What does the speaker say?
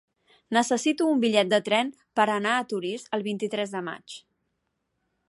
Necessito un bitllet de tren per anar a Torís el vint-i-tres de maig.